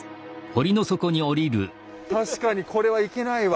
確かにこれはいけないわ。